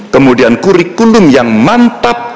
kemudian kurikulum yang mantap